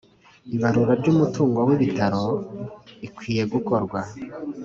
Ibarura ry umutungo w ibitaro ikwiye gukorwa